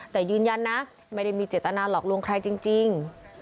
แต่ยืนยันนะไม่ได้มีเจตนาหลอกลวงใครจริง